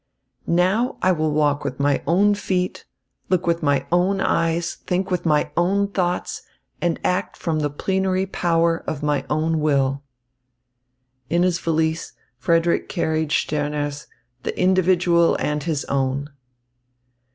"Now I will walk with my own feet, look with my own eyes, think my own thoughts, and act from the plenary power of my own will." In his valise, Frederick carried Stirner's "The Individual and his Own."